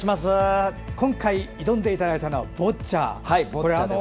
今回、挑んでいただいたのはボッチャですね。